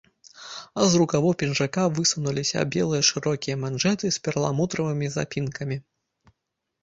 А з рукавоў пінжака высунуліся белыя шырокія манжэты з перламутравымі запінкамі.